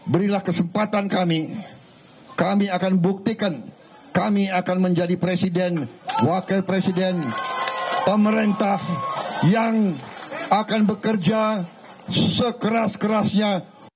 berilah kesempatan kami kami akan buktikan kami akan menjadi presiden wakil presiden pemerintah yang akan bekerja sekeras kerasnya